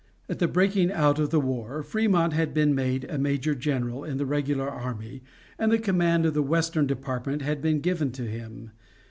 At the breaking out of the war Frémont had been made a major general in the regular army and the command of the Western Department had been given to him.